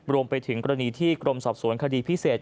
รวมไปถึงกรณีที่กรมสอบสวนคดีพิเศษ